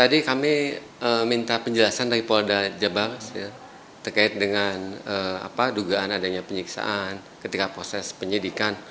tadi kami minta penjelasan dari polda jabar terkait dengan dugaan adanya penyiksaan ketika proses penyidikan